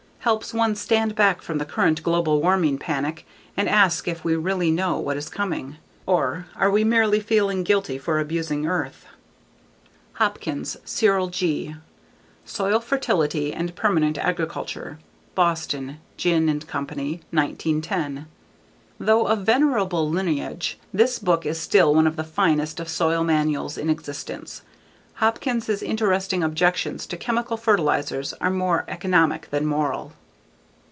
Helps one stand back from the current global warming panic and ask if we really know what is coming. Or are we merely feeling guilty for abusing Earth? Hopkins, Cyril G. _Soil Fertility and Permanent Agriculture. _Boston: Ginn and Company, 1910. Though of venerable lineage, this book is still one of the finest of soil manuals in existence. Hopkins' interesting objections to chemical fertilizers are more economic than moral.